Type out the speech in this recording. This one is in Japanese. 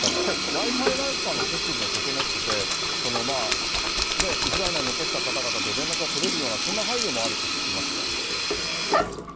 Ｗｉ−Ｆｉなんかの設備も整ってて、ウクライナに残した方々と連絡が取れるような、そんな配慮もあるって、聞きますが。